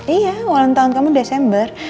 iya ulang tahun kamu desember